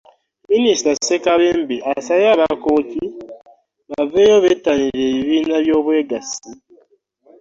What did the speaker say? Minisita Ssekabembe asabye Abakooki baveeyo bettanire ebibiina by'obwegassi